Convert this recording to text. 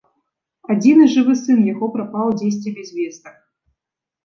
Адзіны жывы сын яго прапаў дзесьці без вестак!